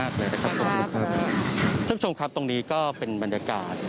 คุณผู้ชมครับตรงนี้ก็เป็นบรรยากาศ